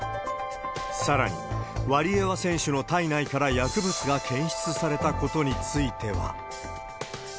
さらに、ワリエワ選手の体内から薬物が検出されたことについては。